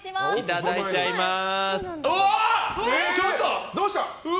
いただいちゃいます。